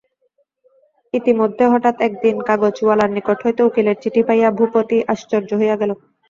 ইতিমধ্যে হঠাৎ একদিন কাগজওয়ালার নিকট হইতে উকিলের চিঠি পাইয়া ভূপতি আশ্চর্য হইয়া গেল।